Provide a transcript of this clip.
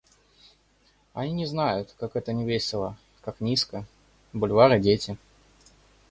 Они не знают, как это невесело, как низко... Бульвар и дети.